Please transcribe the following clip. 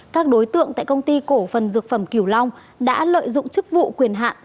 các đối tượng tại công ty cổ phần dược phẩm kiều long đã lợi dụng chức vụ quyền hạn